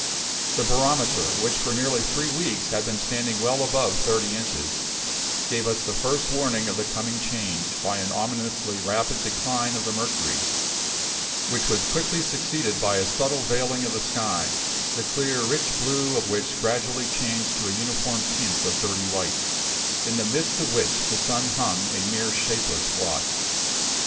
The barometer, which for nearly three weeks had been standing well above thirty inches, gave us the first warning of the coming change by an ominously rapid decline of the mercury, which was quickly succeeded by a subtle veiling of the sky, the clear, rich blue of which gradually changed to a uniform tint of dirty white, in the midst of which the sun hung a mere shapeless blotch.